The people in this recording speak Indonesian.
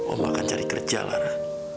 allah akan cari kerja lara